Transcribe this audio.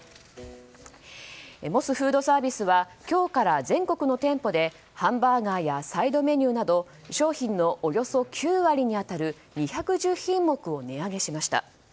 モスフードサービスは今日から全国の店舗でハンバーガーやサイドメニューなど商品のおよそ９割に当たる２１０品目を値上げしました。